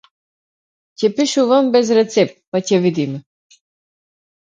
Ќе пишувам без рецепт, па ќе видиме.